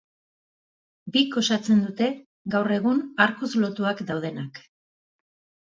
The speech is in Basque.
Bik osatzen dute, gaur egun arkuz lotuak daudenak.